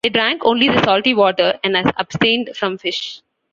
They drank only the salty water and abstained from fish.